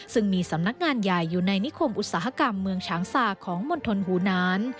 ซึ่งมีสำนักงานใหญ่อยู่ในนิคมอุตสาหกรรมเมืองฉางสาของมณฑลหูนาน